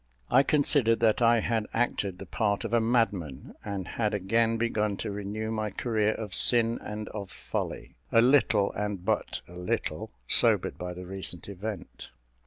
I considered that I had acted the part of a madman, and had again begun to renew my career of sin and of folly, a little, and but a little, sobered by the recent event.